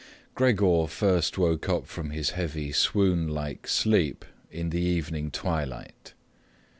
Gregor first woke up from his heavy swoon like sleep in the evening twilight.